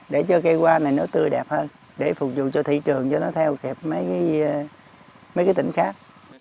để cho cây hoa này nó tươi đẹp hơn để phục vụ cho thị trường cho nó theo kịp mấy cái tỉnh khác